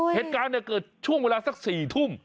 เหตุการณ์เกิดช่วงเวลาสัก๔ทุ่ม